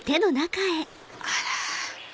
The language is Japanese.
あら！